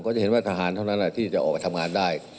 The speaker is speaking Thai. จะเห็นว่าทหารเท่านั้นที่จะออกไปทำงานได้